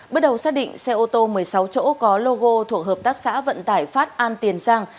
bước đầu xác định xe ô tô một mươi sáu chỗ có logo thuộc hợp tác xã vận tải phát an tiền giang